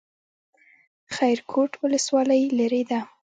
خیرکوټ ولسوالۍ لیرې ده؟